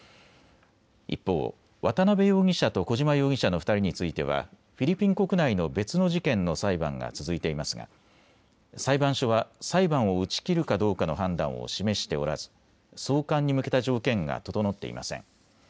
一方、渡邉容疑者と小島容疑者の２人についてはフィリピン国内の別の事件の裁判が続いていますが裁判所は裁判を打ち切るかどうかの判断を示しておらず送還に向けた条件が整っていません。